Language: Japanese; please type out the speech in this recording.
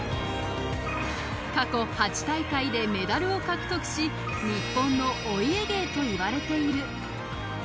過去８大会でメダルを獲得し、日本のお家芸といわれている。